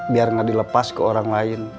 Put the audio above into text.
biar nggak dilepas ke orang lain